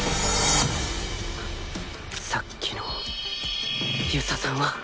さっきの遊佐さんは